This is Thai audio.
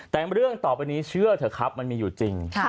แต่เรื่องต่อไปนี้เชื่อเถอะครับมันมีอยู่จริง